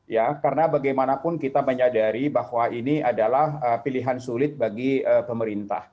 ya karena bagaimanapun kita menyadari bahwa ini adalah pilihan sulit bagi pemerintah